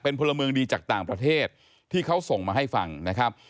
พลเมืองดีจากต่างประเทศที่เขาส่งมาให้ฟังนะครับ